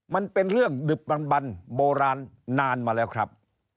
มันเป็นเรื่องดึบบันโบราณนานมาแล้วครับ